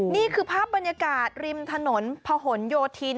นี่คือภาพบรรยากาศริมถนนพะหนโยธิน